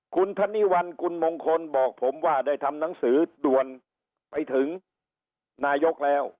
คุณธนิวัลกุลมงคลบอกผมว่าได้ทำหนังสือด่วนไปถึงนายกแล้ว